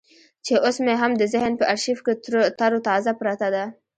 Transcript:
چې اوس مې هم د ذهن په ارشيف کې ترو تازه پرته ده.